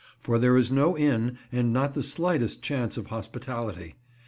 For there is no inn, and not the slightest chance of hospitality.